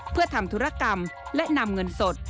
เพื่อทำธุรกรรมและนำเงินสด